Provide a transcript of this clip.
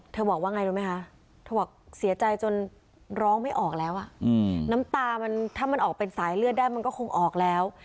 บอกว่าไงรู้ไหมคะเธอบอกเสียใจจนร้องไม่ออกแล้วอ่ะน้ำตามันถ้ามันออกเป็นสายเลือดได้มันก็คงออกแล้ว